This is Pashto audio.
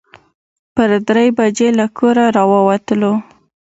پر درې بجې له کوره راووتلو.